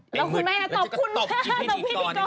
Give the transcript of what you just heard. แล้วก็ตบอีพิธีกร